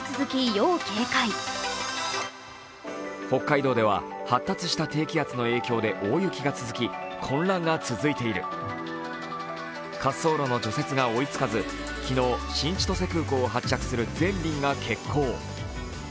北海道では発達した低気圧の影響で大雪が続き、混乱が続いている滑走路の除雪が追いつかず、昨日、新千歳空港を発着する全便が欠航。